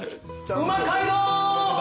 うま街道！